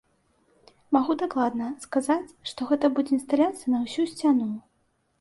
Магу дакладна сказаць, што гэта будзе інсталяцыя на ўсю сцяну.